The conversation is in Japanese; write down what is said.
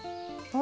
お！